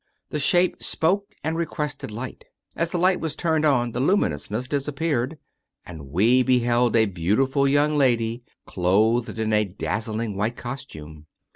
The shape spoke and requested light. As the light was turned on the luminousness disappeared, and we beheld a beauti ful young lady clothed in a dazzling white costume.